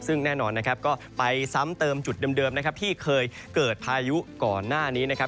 ซึ่งแน่นอนนะครับก็ไปซ้ำเติมจุดเดิมนะครับที่เคยเกิดพายุก่อนหน้านี้นะครับ